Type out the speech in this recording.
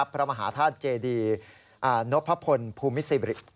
พระมหาธาตุเจดีนพพลภูมิสิริ